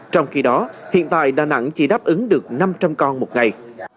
trong khi đó hiện tại đà nẵng chỉ đáp ứng được năm trăm linh con một ngày